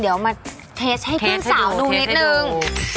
เดี๋ยวมาเทสให้คุณสาวดูนิดหนึ่ง